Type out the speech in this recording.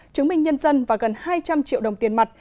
chứng minh nhân dân và gần hai trăm linh triệu đồng tiền mặt